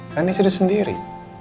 kan istri sendiri